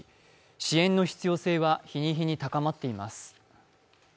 支援の必要性は日に日に高まっています。